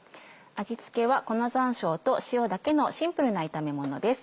味付けは粉山椒と塩だけのシンプルな炒めものです。